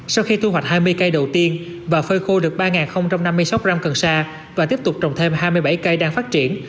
sau khi thu hoạch hai mươi cây đầu tiên và phơi khô được ba năm mươi sáu gram cần sa và tiếp tục trồng thêm hai mươi bảy cây đang phát triển